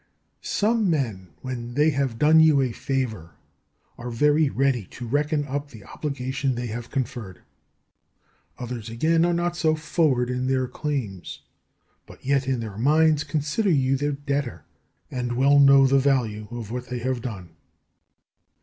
6. Some men, when they have done you a favour, are very ready to reckon up the obligation they have conferred. Others, again, are not so forward in their claims, but yet in their minds consider you their debtor, and well know the value of what they have done.